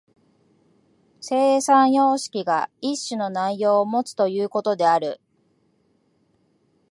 生産様式が一種の内容をもつということである。